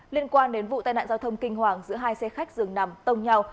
liên quan đến vụ tai nạn giao thông kinh hoàng giữa hai xe khách dường nằm tông nhau